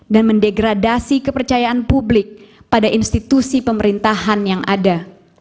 mendegradasi kepercayaan publik pada institusi pemerintahan yang ada